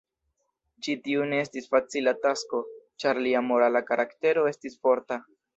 Ĉi tiu ne estis facila tasko, ĉar lia morala karaktero estis forta.